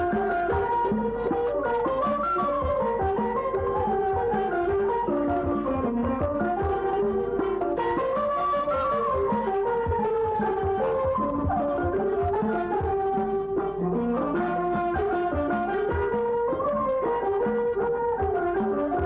กับพระอำราชเชนทะยาน